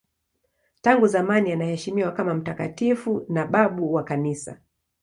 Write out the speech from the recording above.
Tangu zamani anaheshimiwa kama mtakatifu na babu wa Kanisa.